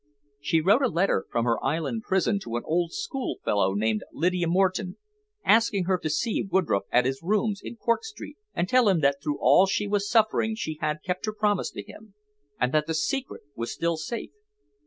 "She wrote a letter from her island prison to an old schoolfellow named Lydia Moreton, asking her to see Woodroffe at his rooms in Cork Street, and tell him that through all she was suffering she had kept her promise to him, and that the secret was still safe."